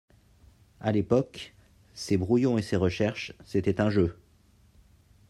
À l’époque, ces brouillons et ces recherches, c’était un jeu.